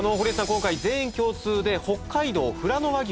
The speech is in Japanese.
今回全員共通で北海道ふらの和牛